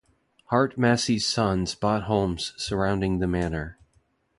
Hart Massey's sons bought homes surrounding the manor.